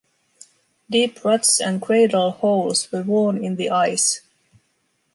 Deep ruts and cradle holes were worn in the ice.